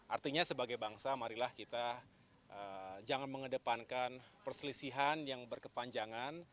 artinya sebagai bangsa marilah kita jangan mengedepankan perselisihan yang berkepanjangan